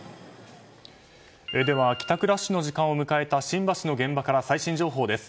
では帰宅ラッシュの時間を迎えた新橋の現場から最新情報です。